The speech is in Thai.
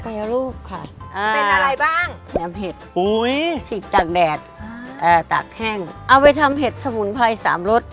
แปรรูปค่ะเป็นอะไรสิบถังดาดตักแห้งเอาไปทำเห็ดสมุนไพรสามรุฑ